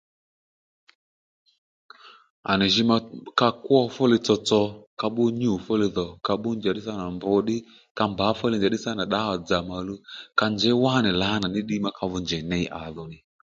À nì jǐ ka kwó fúli tsotso ka bbú nyû fúli dhò ka bbú njàddí sâ nà mb ddí ka mbǎ fúli njàddí sâ nà dǎwà-dzà mà òluw ka njěy wánì lǎnà ní ddiy má ka dho njèy ney à dhò nì